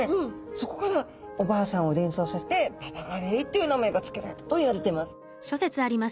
そこからおばあさんを連想させてババガレイっていう名前が付けられたといわれてます。